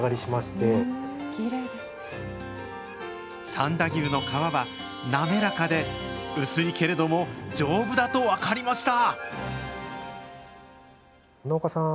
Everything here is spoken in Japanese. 三田牛の革は滑らかで、薄いけれども丈夫だと分かりました。